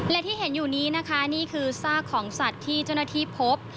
และที่เห็นอยู่นี้นะคะนี่คือซากของสัตว์ที่เจ้าหน้าที่พบ